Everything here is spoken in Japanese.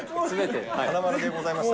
花丸でございました。